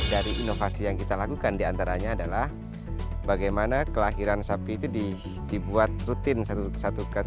dari inovasi yang kita lakukan diantaranya adalah bagaimana kelahiran sapi itu dibuat rutin satu kes